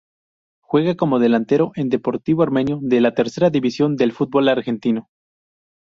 Juega como delantero en Deportivo Armenio de la tercera división del fútbol argentino.